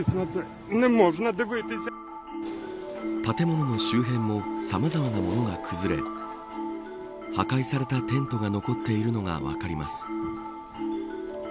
建物の周辺もさまざまなものが崩れ破壊されたテントが残っているのが分かります。